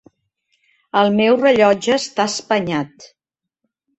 El meu rellotge està espanyat.